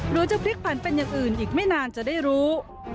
หรือจะพลิกผันเป็นอย่างอื่นอีกไม่นานจะได้รู้